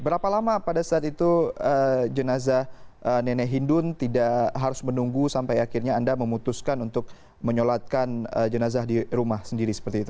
berapa lama pada saat itu jenazah nenek hindun tidak harus menunggu sampai akhirnya anda memutuskan untuk menyolatkan jenazah di rumah sendiri seperti itu